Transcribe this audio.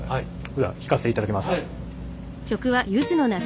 では弾かせていただきます。